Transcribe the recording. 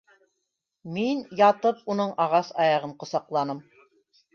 Мин, ятып, уның ағас аяғын ҡосаҡланым.